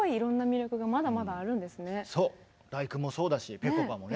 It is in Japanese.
そう「第９」もそうだしぺこぱもね。